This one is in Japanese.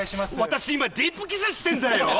私今ディープキスしてんだよ？